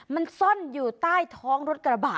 มันซ่อนอยู่ใต้ท้องรถกระบะ